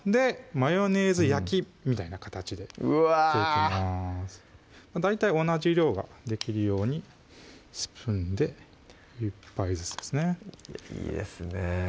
マヨネーズ焼きみたいな形でうわ大体同じ量ができるようにスプーンで１杯ずつですねいいですね